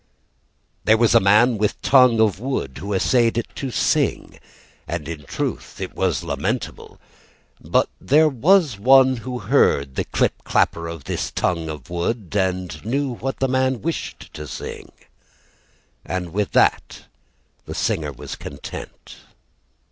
There was a man with tongue of wood Who essayed to sing, And in truth it was lamentable. But there was one who heard The clip clapper of this tongue of wood And knew what the man Wished to sing, And with that the singer was content.